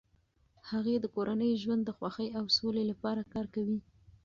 هغې د کورني ژوند د خوښۍ او سولې لپاره کار کوي.